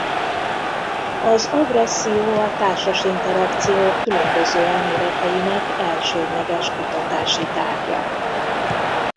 Az agresszió a társas interakciók különböző elméleteinek elsődleges kutatási tárgya.